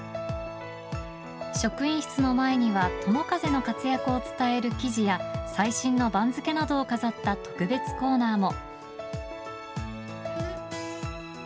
職員室の前には友風の活躍を伝える記事や最新の番付などを飾った特別コーナーも。